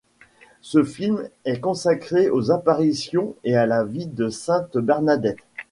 Ce film est consacré aux apparitions et à la vie de Sainte Bernadette.